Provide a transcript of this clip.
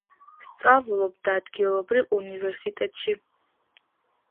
სწავლობდა ადგილობრივ უნივერსიტეტში.